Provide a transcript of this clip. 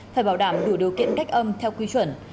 phải bảo đảm đủ điều kiện cách âm theo quy chuẩn